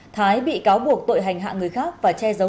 thái bị cáo buộc tội hành hạ người khác và che giấu